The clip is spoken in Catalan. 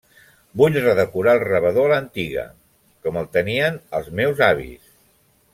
Vull redecorar el rebedor a l'antiga, com el tenien els meus avis.